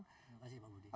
terima kasih bang budi